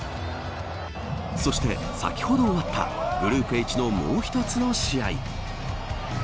そして先ほど終わったグループＨのもう一つの試合。